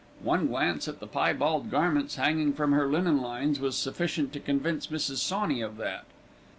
One glance at the piebald garments hanging from her linen lines was sufficient to convince Mrs. Sawney of that.